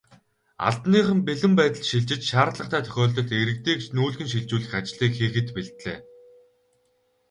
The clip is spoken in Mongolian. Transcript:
Албаныхан бэлэн байдалд шилжиж, шаардлагатай тохиолдолд иргэдийг нүүлгэн шилжүүлэх ажлыг хийхэд бэлдлээ.